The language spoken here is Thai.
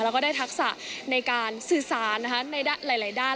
แล้วก็ได้ทักษะในการสื่อสารในหลายด้าน